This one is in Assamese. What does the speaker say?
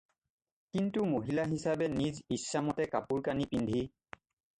কিন্তু মহিলা হিচাপে নিজ ইচ্ছামতে কাপোৰ কানি পিন্ধি।